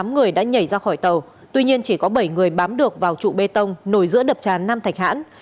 tám người đã nhảy ra khỏi tàu tuy nhiên chỉ có bảy người bám được vào trụ bê tông nổi giữa đập tràn nam thạch hãn